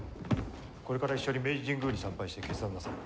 これから一緒に明治神宮に参拝して決断なさる。